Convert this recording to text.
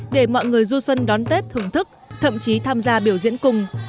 để mọi người du xuân đón tết thưởng thức thậm chí tham gia biểu diễn cùng